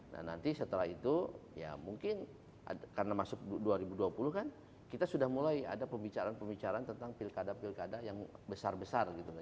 nah nanti setelah itu ya mungkin karena masuk dua ribu dua puluh kan kita sudah mulai ada pembicaraan pembicaraan tentang pilkada pilkada yang besar besar gitu